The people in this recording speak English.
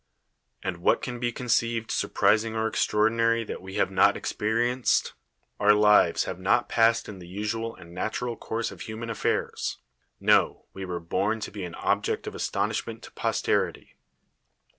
And what can be conceived surprisin^ir or extraordinary that we have ]iot experienced ? Our lives liave not passed in the usual and natural course of human affairs: no, we were born to be an object of astonishment to posterity.